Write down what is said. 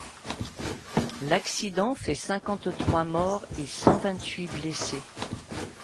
L'accident fait cinquante-trois morts et cent vingt-huit blessés.